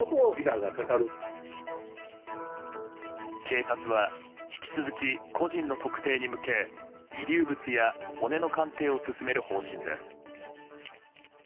警察は引き続き個人の特定に向け遺留物や骨の鑑定を進める方針です。